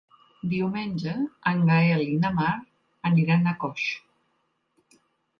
Diumenge en Gaël i na Mar aniran a Coix.